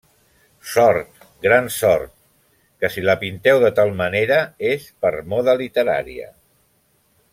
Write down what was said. Sort, gran sort, que si la pinteu de tal manera, és per moda literària!